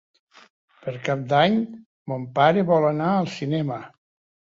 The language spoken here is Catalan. Per Cap d'Any mon pare vol anar al cinema.